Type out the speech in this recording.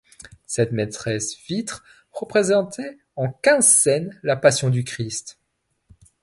Cette maîtresse-vitre représentait en quinze scènes la Passion du Christ.